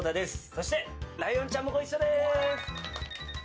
そして、ライオンちゃんもご一緒です。